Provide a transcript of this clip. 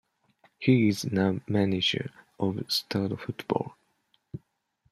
He is now manager of Stord Fotball.